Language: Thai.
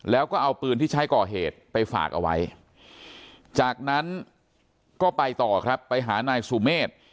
แล้วก็เอาปืนที่ใช้ก่อเหตุไปฝากเอาไว้จากนั้นก็ไปต่อครับไปหานายสุเมฆ